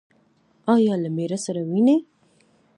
ایا له میړه سره وینئ؟